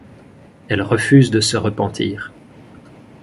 Elle refuse de se repentir.